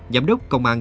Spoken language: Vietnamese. giám đốc công an